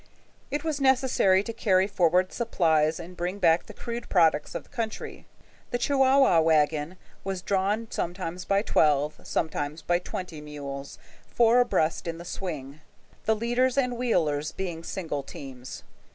It was necessary to carry forward supplies and bring back the crude products of the country. The Chihuahua wagon was drawn sometimes by twelve, sometimes by twenty mules, four abreast in the swing, the leaders and wheelers being single teams.